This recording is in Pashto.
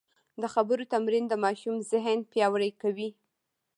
د خبرو تمرین د ماشوم ذهن پیاوړی کوي.